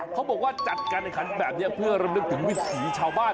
เขาบอกว่าจัดการแข่งขันแบบนี้เพื่อรำลึกถึงวิถีชาวบ้าน